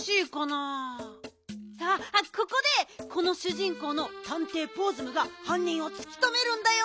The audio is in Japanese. あっここでこのしゅじんこうのたんていポーズムがはんにんをつきとめるんだよ。